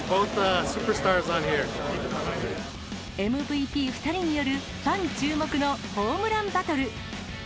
ＭＶＰ２人によるファン注目のホームランバトル。